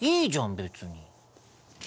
別に。